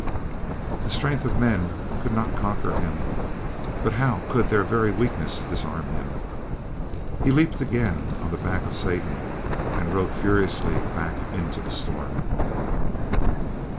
The strength of men could not conquer him; but how could their very weakness disarm him? He leaped again on the back of Satan, and rode furiously back into the storm.